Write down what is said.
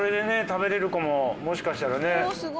食べれる子ももしかしたらね。